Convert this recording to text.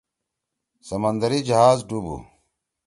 سمندری جہاز ڈُوب ہُو۔